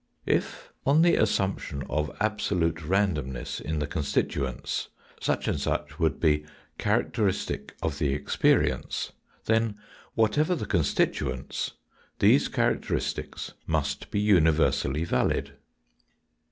If, on the assumption of absolute random ness in the constituents, such and such would be characteristic of the experience, then, whatever the con stituents, these characteristics must be universally valid.